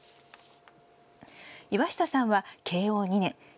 岩下さんは慶応２年１５０年